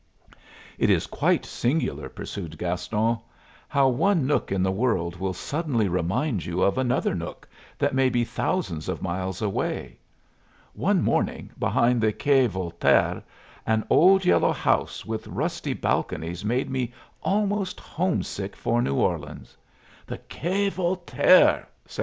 "It is quite singular," pursued Gaston, "how one nook in the world will suddenly remind you of another nook that may be thousands of miles away. One morning, behind the Quai Voltaire, an old yellow house with rusty balconies made me almost homesick for New Orleans." "The Quai Voltaire!"